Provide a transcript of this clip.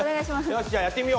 よしじゃあやってみよう！